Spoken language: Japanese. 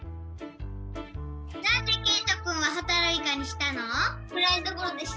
なんでけいとくんはほたるいかにしたの？